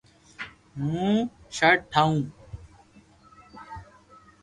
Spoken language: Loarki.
ھون ݾرٽ ٺاو